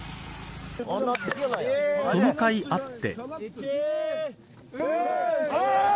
そのかいあって。